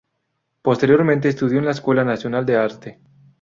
Posteriormente estudió en la Escuela Nacional de Arte.